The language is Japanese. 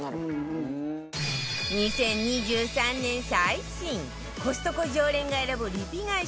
２０２３年最新コストコ常連が選ぶリピ買い